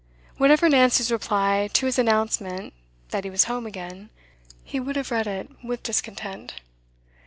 Whatever Nancy's reply to his announcement that he was home again, he would have read it with discontent.